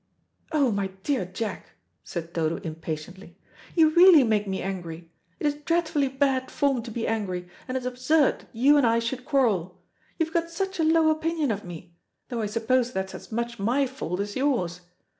"Oh, my dear Jack," said Dodo impatiently, "you really make me angry. It is dreadfully bad form to be angry, and it is absurd that you and I should quarrel. You've got such a low opinion of me; though I suppose that's as much my fault as yours.